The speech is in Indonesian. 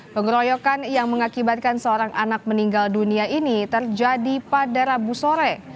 pengeroyokan yang mengakibatkan seorang anak meninggal dunia ini terjadi pada rabu sore